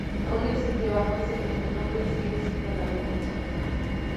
Aún existe bajo ese mismo nombre y sigue siendo la calle principal.